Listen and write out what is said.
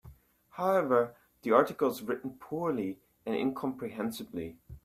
However, the article is written poorly and incomprehensibly.